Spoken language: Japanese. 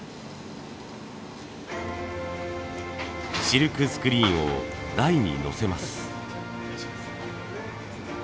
シルクスクリーンを台に載せます。